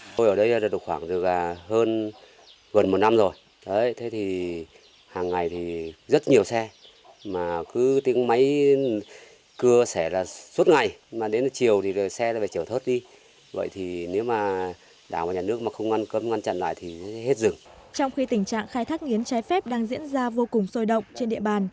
trong khi tình trạng khai thác nghiến trái phép đang diễn ra vô cùng sôi động trên địa bàn